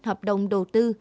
hợp đồng đầu tư